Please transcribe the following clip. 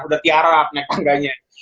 udah tiara naik tangganya